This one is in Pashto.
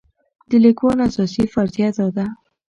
د لیکوال اساسي فرضیه دا ده.